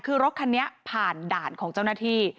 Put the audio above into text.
คือรถคันนี้ผ่านด่านของเจ้าหน้าที่